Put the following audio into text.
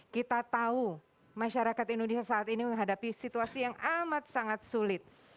kita tahu masyarakat indonesia saat ini menghadapi situasi yang amat sangat sulit